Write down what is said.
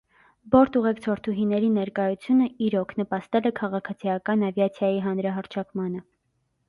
Բորտուղեկցորդուհիների ներկայությունը, իրոք, նպաստել է քաղաքացիական ավիացիայի հանրահռչակմանը։